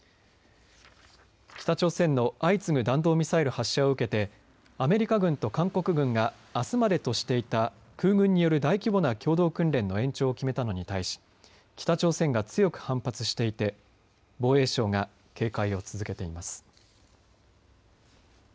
北朝鮮の相次ぐ弾道ミサイル発射を受けてアメリカ軍と韓国軍があすまでとしていた空軍による大規模な共同訓練の延長を決めたのに対し北朝鮮が強く反発していて防衛省が警戒を続けています。